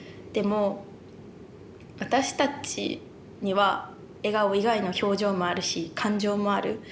でも私たちには笑顔以外の表情もあるし感情もある。